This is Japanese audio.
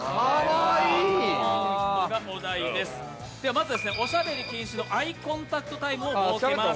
まず、おしゃべり禁止のアイコンタクトタイムを設けます。